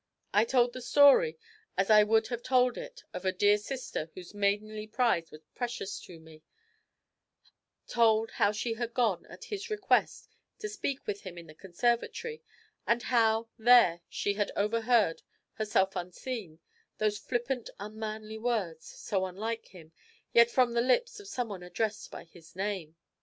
I told the story as I would have told it of a dear sister whose maidenly pride was precious to me; told how she had gone, at his request, to speak with him in the conservatory, and how, there, she had heard, herself unseen, those flippant, unmanly words, so unlike him, yet from the lips of someone addressed by his name.